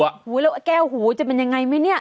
หูยแล้วแก้วหูจะเป็นยังไงมั้ยเนี่ย